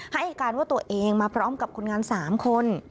ให้การว่าตัวเองมาพร้อมกับคนงาน๓คน